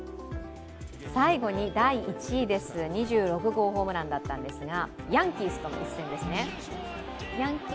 最後に第１位です、２６号ホームランだったんですがヤンキースとの一戦ですね。